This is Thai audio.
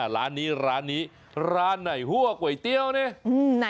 ร้านนี้ร้านนี้ร้านไหนหัวก๋วยเตี๋ยวนี่